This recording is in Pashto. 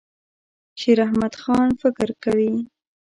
شیراحمدخان فکر کوي.